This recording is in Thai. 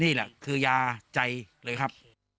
นี่แหละคือยาใจเลยครับ